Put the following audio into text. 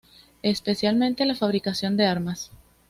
Especialmente la fabricación de armas.